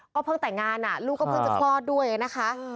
เพิ่งแต่งงานลูกก็เพิ่งจะคลอดด้วยนะคะ